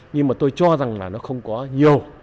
nhưng mà tôi cho rằng là nó không có nhiều